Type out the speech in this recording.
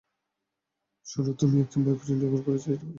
শোন, তুমি অন্য একজন বয়ফ্রেন্ড যোগাড় করেছ, এইটুকুই।